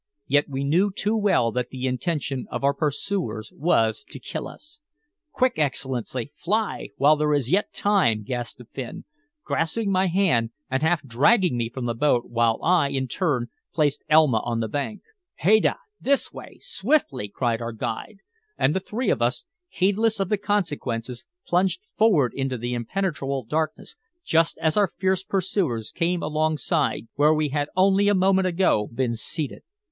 Yet we knew too well that the intention of our pursuers was to kill us. "Quick, Excellency! Fly! while there is yet time!" gasped the Finn, grasping my hand and half dragging me from the boat, while, I, in turn, placed Elma upon the bank. "Hoida! This way! Swiftly!" cried our guide, and the three of us, heedless of the consequences, plunged forward into the impenetrable darkness, just as our fierce pursuers came alongside where we had only a moment ago been seated.